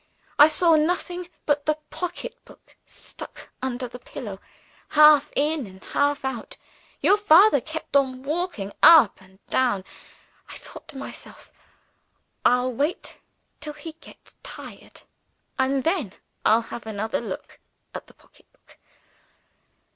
I saw nothing but the pocketbook stuck under the pillow, half in and half out. Your father kept on walking up and down. I thought to myself, 'I'll wait till he gets tired, and then I'll have another look at the pocketbook.